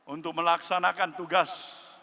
untuk melaksanakan tugas